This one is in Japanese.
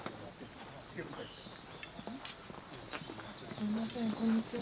すみませんこんにちは。